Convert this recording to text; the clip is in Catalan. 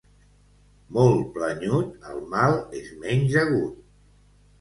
Molt planyut, el mal és menys agut.